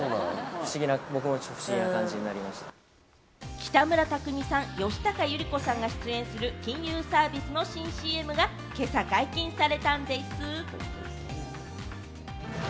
北村匠海さん、吉高由里子さんが出演する、金融サービスの新ＣＭが今朝解禁されたんでぃす。